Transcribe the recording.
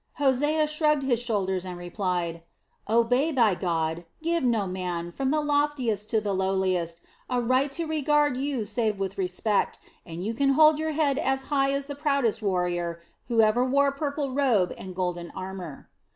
Hosea shrugged his shoulders and replied: "Obey thy God, give no man, from the loftiest to the lowliest, a right to regard you save with respect, and you can hold your head as high as the proudest warrior who ever wore purple robe and golden armor."